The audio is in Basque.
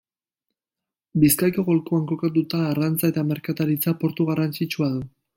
Bizkaiko golkoan kokatua, arrantza eta merkataritza portu garrantzitsua du.